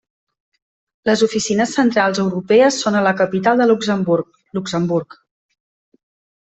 Les oficines centrals europees són a la capital de Luxemburg, Luxemburg.